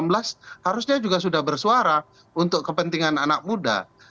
pemilu dua ribu sembilan belas harusnya juga sudah bersuara untuk kepentingan anak muda